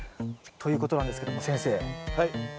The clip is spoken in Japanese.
ということなんですけども先生。